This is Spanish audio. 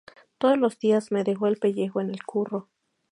Todos los días me dejo el pellejo en el curro